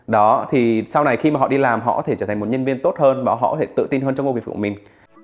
đó thì sau này khi mà họ đi làm họ có thể trở thành một nhân viên tốt hơn và họ tự tin hơn trong công việc của mình